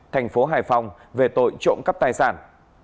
tp hải phòng về tội trộm cắp tài sản